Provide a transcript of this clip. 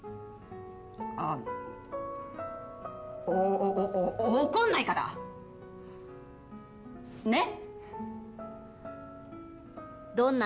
あっおおお怒んないからねっ？